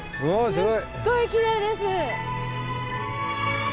すっごいきれいです。